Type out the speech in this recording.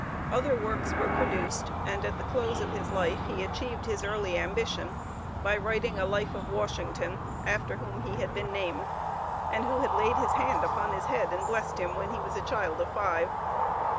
Other works were produced, and at the close of his life he achieved his early ambition, by writing a Life of Washington, after whom he had been named, and who had laid his hand upon his head and blessed him when he was a child of five.